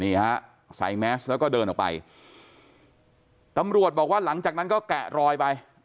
นี่ฮะใส่แมสแล้วก็เดินออกไปตำรวจบอกว่าหลังจากนั้นก็แกะรอยไป